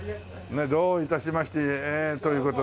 ねえどういたしましてという事で。